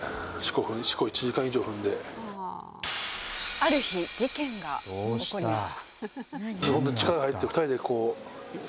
ある日、事件が起こります。